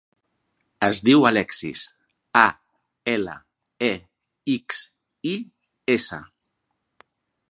Es diu Alexis: a, ela, e, ics, i, essa.